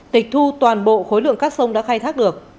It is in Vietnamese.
tịch thu toàn bộ khối lượng các sông đã khai thác được